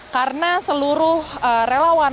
karena seluruh relawan